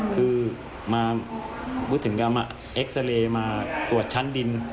คือมาพูดถึงกรรมเอ็กซาเรย์มาตรวจชั้นดิน